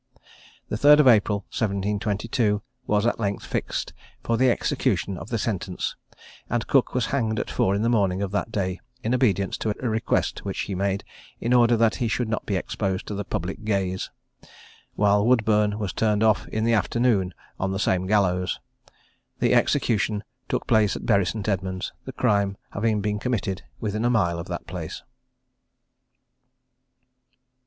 The 3d April, 1722, was at length fixed for the execution of the sentence, and Cook was hanged at four in the morning of that day, in obedience to a request which he made, in order that he should not be exposed to the public gaze; while Woodburne was turned off, in the afternoon, on the same gallows. The execution took place at Bury St. Edmunds, the crime having been committed within a mile of that place.